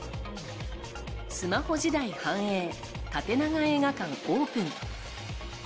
スマホ時代反映、縦長映画館オープン。